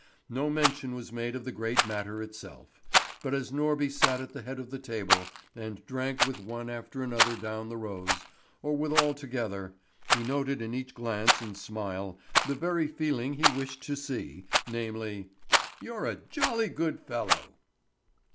No mention was made of the great matter itself; but as Norby sat at the head of the table, and drank with one after another down the rows, or with all together, he noted in each glance and smile the very feeling he wished to see, namely: "You're a jolly good fellow!"